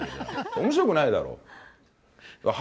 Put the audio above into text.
おもしろくないだろ。